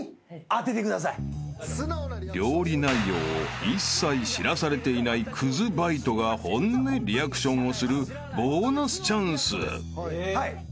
［料理内容を一切知らされていないクズバイトが本音リアクションをするボーナスチャンス］